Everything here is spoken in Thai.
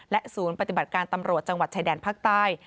ศูนย์ปฏิบัติการตำรวจจังหวัดชายแดนภาคใต้